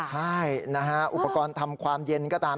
ใช่นะฮะอุปกรณ์ทำความเย็นก็ตาม